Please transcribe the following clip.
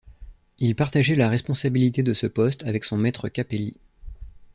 Il partageait la responsabilité de ce poste avec son maître Capelli.